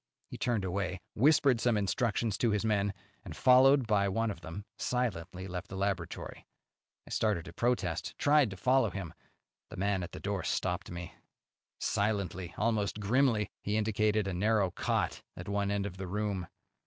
He turned away, whispered some instructions to his men, and, followed by one of them, silently left the laboratory. I started to protest, tried to follow him; the man at the door stopped me. Silently, almost grimly, he indicated a narrow cot at one end of the room.